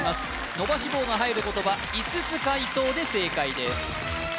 のばし棒が入る言葉５つ解答で正解です